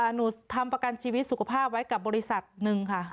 หนูทำประกันชีวิตสุขภาพไว้กับบริษัทหนึ่งค่ะ